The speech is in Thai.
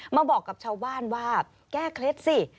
มาบอกกับชาวบ้านว่าแก้เคล็ดสิ